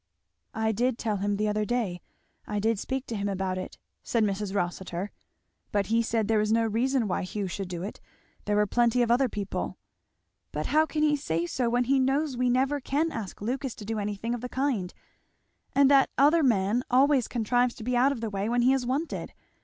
"I did tell him the other day I did speak to him about it," said Mrs. Rossitur; "but he said there was no reason why Hugh should do it, there were plenty of other people " "But how can he say so when he knows we never can ask Lucas to do anything of the kind, and that other man always contrives to be out of the way when he is wanted?